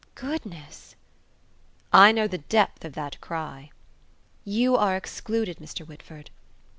"Goodness!" "I know the depth of that cry!" "You are excluded, Mr. Whitford."